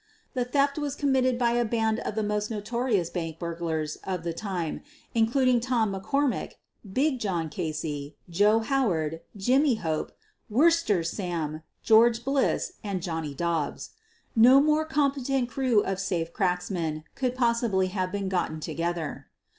The theft was committed by a band of the most notorious bank burglars of the time, including Tom MoCormack, Big John Casey, Joe Howard, Jimmy Hope, Worcester Sam, George Bliss, and Johnny Dobbs. No more competent crew of safe cracks men could possibly have been gotten together.